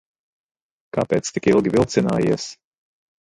Kāpēc tik ilgi vilcinājies?